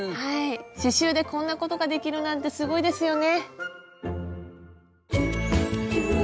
刺しゅうでこんなことができるなんてすごいですよね。